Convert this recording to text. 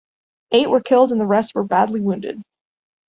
Eight were killed and the rest were badly wounded.